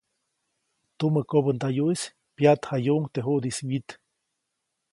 Tumä kobändayuʼis pyaʼtjayuʼuŋ teʼ juʼdiʼis wyit.